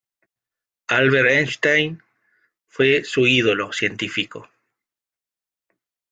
Albert Einstein fue su ídolo científico.